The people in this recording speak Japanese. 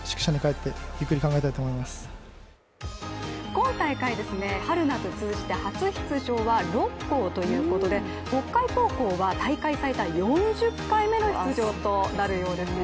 今大会、春夏通じて初出場は６校ということで北海高校は大会最多４０回目の出場となるようですよ。